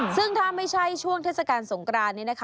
ซึ่งถ้าไม่ใช่ช่วงเทศกาลสงกรานนี้นะคะ